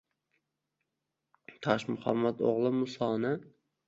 Toshmuhammad o’g’li Musoni!